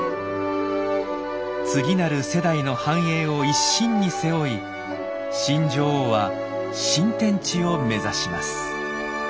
次なる世代の繁栄を一身に背負い新女王は新天地を目指します。